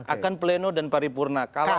akan pleno dan paripurna kalah